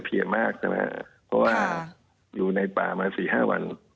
เพราะว่าอยู่ในป่ามา๔๕วัน